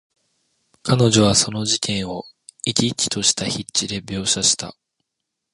彼女はその事件を、生き生きとした筆致で描写した。